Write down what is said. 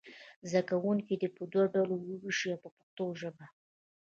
زده کوونکي دې په دوو ډلو وویشئ په پښتو ژبه.